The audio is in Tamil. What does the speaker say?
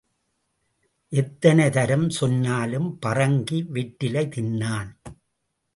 எத்தனை தரம் சொன்னாலும் பறங்கி வெற்றிலை தின்னான்.